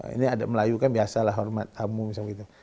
ini ada melayu kan biasalah hormat tamu misalnya